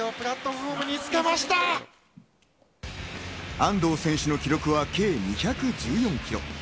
安藤選手の記録は計２１４ｋｇ。